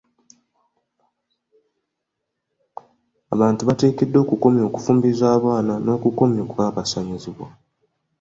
Abantu bateekeddwa okukomya okufumbiza abaana n'okukomya okukabasanyizibwa.